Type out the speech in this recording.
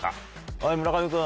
はい村上君。